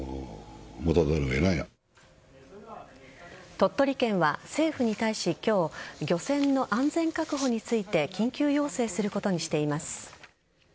鳥取県は政府に対し、今日漁船の安全確保について緊急要請することにしています。